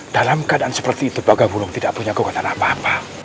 dalam keadaan seperti itu baga bulung tidak punya kekuatan apa apa